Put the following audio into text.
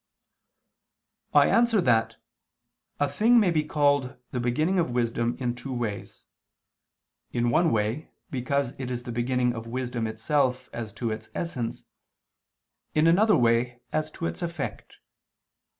I answer that, A thing may be called the beginning of wisdom in two ways: in one way because it is the beginning of wisdom itself as to its essence; in another way, as to its effect.